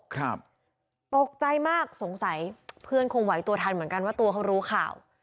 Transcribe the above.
ตกใจมากสงสัยเพื่อนคงไหวตัวทันเหมือนกันว่าตัวเขารู้ข่าว